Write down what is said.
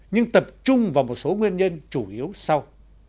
nhưng tập trung vào một số nguyên nhân chủ yếu sau